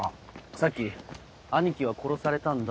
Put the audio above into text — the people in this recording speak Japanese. さっき「兄貴は殺されたんだ」